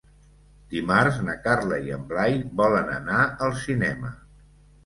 Dimarts na Carla i en Blai volen anar al cinema.